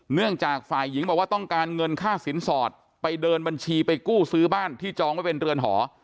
เนื่องจากฝ่ายหญิงบอกว่าต้องการเงินค่าสินสอดไปเดินบัญชีไปกู้ซื้อบ้านที่จองไว้เป็นเรือนหอ